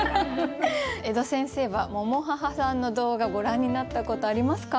江戸先生はｍｏｍｏｈａｈａさんの動画ご覧になったことありますか？